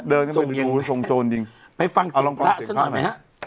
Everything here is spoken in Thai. เดินไปดูทรงโจรดิไปฟังเสียงละเสียงข้อหน่อยฮะ